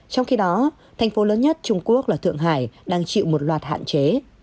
trong khi đó thành phố lớn nhất trung quốc là thượng hải đang chịu một loạt hạn chế